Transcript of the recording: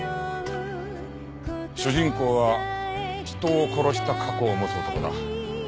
主人公は人を殺した過去を持つ男だ。